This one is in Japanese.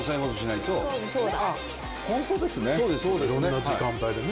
いろんな時間帯でね。